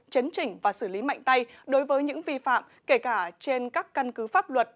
chấn chỉnh và xử lý mạnh tay đối với những vi phạm kể cả trên các căn cứ pháp luật